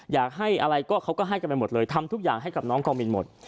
อยากให้อะไรก็เขาก็ให้กันไปหมดเลยทำทุกอย่างให้กับน้องกองบินหมด